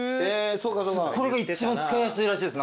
これが一番使いやすいらしいです